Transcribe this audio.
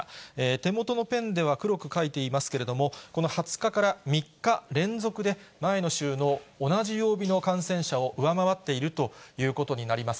手元のペンでは黒く書いていますけれども、この２０日から３日連続で、前の週の同じ曜日の感染者を上回っているということになります。